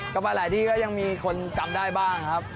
ก็มาหลายที่ก็ยังมีคนจำได้บ้างครับ